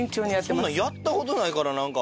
こんなんやった事ないからなんか。